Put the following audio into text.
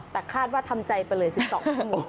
แต่คาดว่าทำใจไปเลย๑๒ชั่วโมง